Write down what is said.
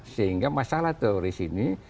sehingga masalah teroris ini